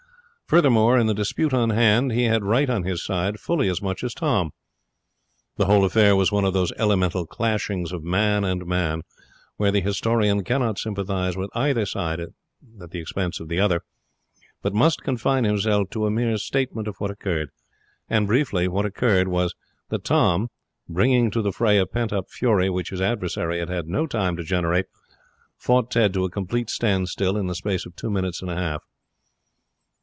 Furthermore, in the dispute on hand he had right on his side fully as much as Tom. The whole affair was one of those elemental clashings of man and man where the historian cannot sympathize with either side at the expense of the other, but must confine himself to a mere statement of what occurred. And, briefly, what occurred was that Tom, bringing to the fray a pent up fury which his adversary had had no time to generate, fought Ted to a complete standstill in the space of two minutes and a half.